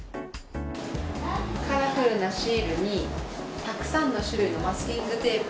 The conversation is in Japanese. カラフルなシールにたくさんの種類のマスキングテープ